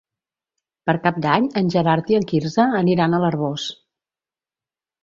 Per Cap d'Any en Gerard i en Quirze aniran a l'Arboç.